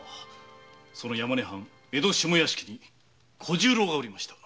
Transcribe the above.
山根藩江戸下屋敷に小十郎がおりました。